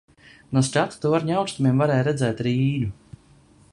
No skatu torņa augstumiem varēja redzēt Rīgu.